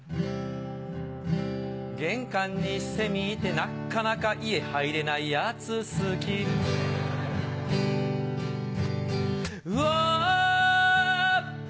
玄関にセミいてなっかなか家入れないヤツ好きウォ